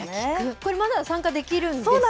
これまだ参加できるんですよね。